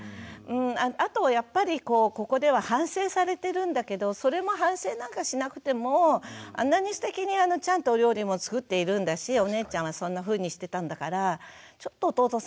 あとやっぱりここでは反省されてるんだけどそれも反省なんかしなくてもあんなにすてきにちゃんとお料理も作っているんだしお姉ちゃんはそんなふうにしてたんだからちょっと弟さん